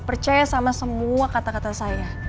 percaya sama semua kata kata saya